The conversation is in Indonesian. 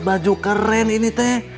baju keren ini teh